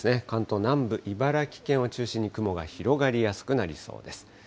関東南部、茨城県を中心に、雲が広がりやすくなりそうです。